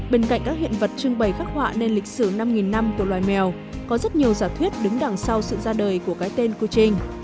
bên cạnh các hiện vật trưng bày gác họa nên lịch sử năm năm của loài mèo có rất nhiều giả thuyết đứng đằng sau sự ra đời của cái tên kuching